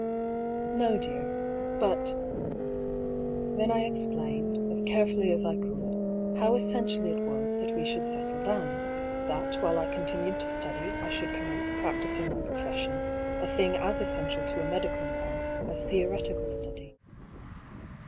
" No, dear. But " Then I explained, as carefully as I could, how es sential it was that we should settle down ; that while I continued to study, I should commence practising my profession ; a thing as essential to a medical man as the oretical study.